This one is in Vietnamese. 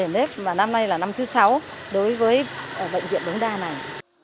nếp mà năm nay là năm thứ sáu đối với bệnh viện đống đa này